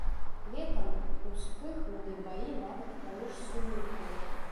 Летам успыхнулі баі нават паміж сунітамі.